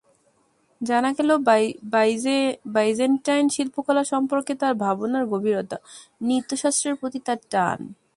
জানা গেল বাইজেন্টাইন শিল্পকলা সম্পর্কে তাঁর ভাবনার গভীরতা, নৃত্যশাস্ত্রের প্রতি তাঁর টান।